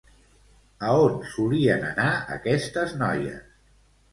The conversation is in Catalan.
A on solien anar aquestes noies?